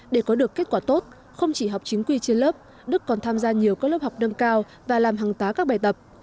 để có được kết quả tốt không chỉ học chính quy trên lớp đức còn tham gia nhiều các lớp học nâng cao và làm hàng tá các bài tập